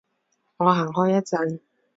我行開一陣